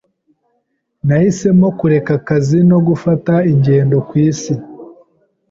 Nahisemo kureka akazi no gufata ingendo ku isi.